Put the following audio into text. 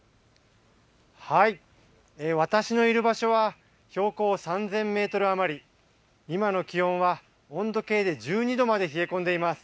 私のいる場所は標高３０００メートル余り、今の気温は温度計で１２度まで冷え込んでいます。